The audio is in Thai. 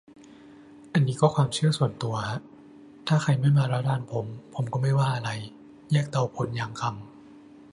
อันนี้ก็ความเชื่อส่วนตัวฮะ ถ้าไม่มาระรานผม ผมก็ไม่ว่าอะไร แยกเตาโพนยางคำ